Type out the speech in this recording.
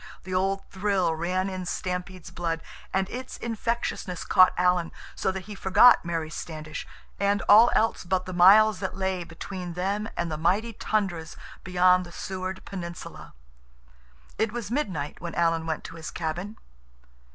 The old thrill ran in Stampede's blood, and its infectiousness caught Alan, so that he forgot Mary Standish, and all else but the miles that lay between them and the mighty tundras beyond the Seward Peninsula. It was midnight when Alan went to his cabin.